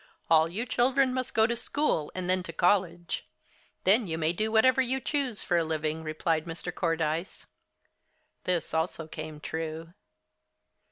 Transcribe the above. "All you children must go to school and then to college. Then you may do whatever you choose for a living," replied Mr. Cordyce. (This also came true.)